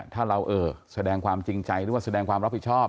ถ้าเราแสดงความจริงใจหรือว่าแสดงความรับผิดชอบ